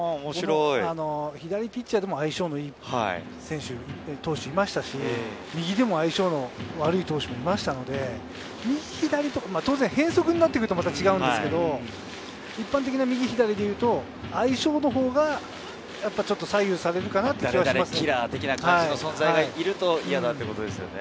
左ピッチャーでも相性のいい選手、投手がいましたし、右でも相性の悪い投手もいましたので、当然変則になってくると違うんですけれど、一般的な右左でいうと、相性のほうがやっぱりちょっと左右されるかなという気がしますね。